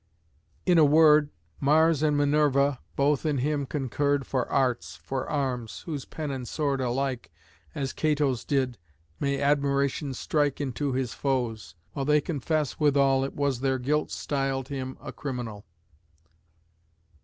In a word, Mars and Minerva both in him concurred For arts, for arms, whose pen and sword alike, As Cato's did, may admiration strike Into his foes; while they confess withal It was their guilt styled him a criminal....